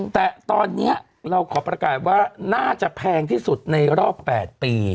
แต่ตอนนี้เราขอประกาศว่าน่าจะแพงที่สุดในรอบ๘ปี